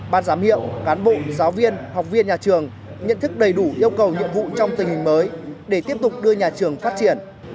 ban giám hiệu cán bộ giáo viên học viên nhà trường nhận thức đầy đủ yêu cầu nhiệm vụ trong tình hình mới để tiếp tục đưa nhà trường phát triển